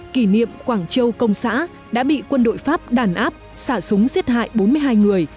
kỷ niệm quảng châu công xã đã bị quân đội pháp đàn áp xả súng giết hại bốn mươi hai người